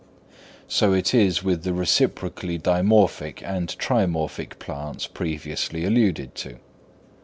So it is with the reciprocally dimorphic and trimorphic plants previously alluded to.